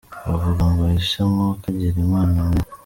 Bavuga ngo “Ese mwo kagira Imana mwe.